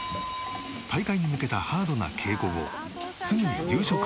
大会に向けたハードな稽古後すぐに夕食作り。